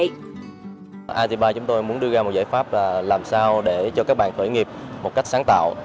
itb chúng tôi muốn đưa ra một giải pháp là làm sao để cho các bạn khởi nghiệp một cách sáng tạo